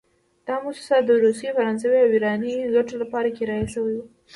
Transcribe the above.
دا موسسه د روسي، فرانسوي او ایراني ګټو لپاره کرایه شوې وه.